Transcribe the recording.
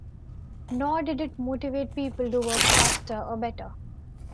Nor did it motivate people to work faster or better.